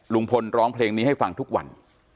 ลุงพลร้องเพลงนี้ให้ฟังทุกวัน